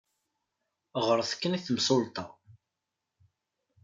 Ɣret kan i temsulta.